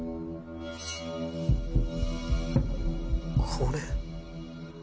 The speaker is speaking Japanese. これ。